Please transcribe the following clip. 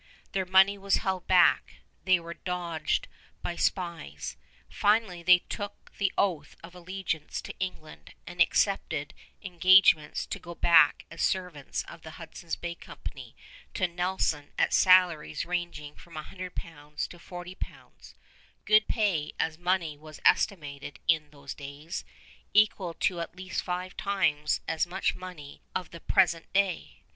Their money was held back; they were dogged by spies. Finally they took the oath of allegiance to England, and accepted engagements to go back as servants of the Hudson's Bay Company to Nelson at salaries ranging from 100 pounds to 40 pounds, good pay as money was estimated in those days, equal to at least five times as much money of the present day.